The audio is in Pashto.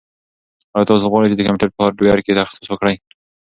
ایا تاسو غواړئ چې د کمپیوټر په هارډویر کې تخصص وکړئ؟